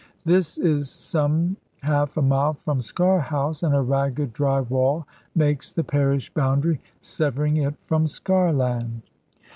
This is some half a mile from Sker House, and a ragged dry wall makes the parish boundary, severing it from Sker land.